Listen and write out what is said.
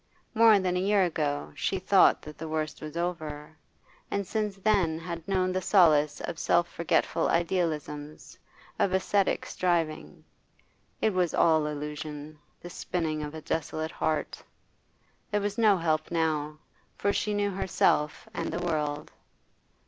More than a year ago she thought that the worst was over, and since then had known the solace of self forgetful idealisms, of ascetic striving. It was all illusion, the spinning of a desolate heart. There was no help now, for she knew herself and the world.